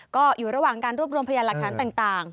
ก็อยู่ระหว่างการรวบรวมพยานหลักฐานต่าง